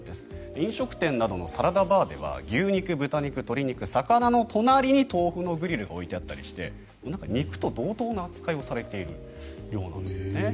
飲食店などのサラダバーでは牛肉、豚肉、鶏肉魚の隣に豆腐のグリルが置いてあったりしてなんか肉と同等の扱いをされているようです。